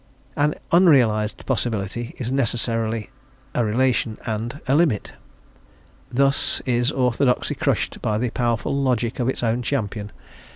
"An unrealised possibility is necessarily (a relation and) a limit." Thus is orthodoxy crushed by the powerful logic of its own champion.